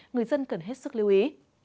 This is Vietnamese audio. người dân cần hết sức lưu ý